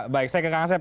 baik saya ke kang asep